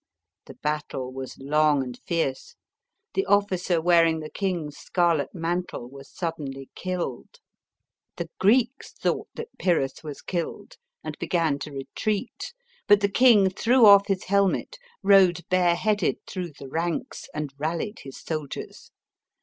The battle was long and fierce. The officer wearing the king's scarlet mantle was suddenly killed. The Greeks thought that Pyrrhus was killed and began to retreat. But the king threw off his helmet, rode bareheaded through the ranks, and rallied his soldiers.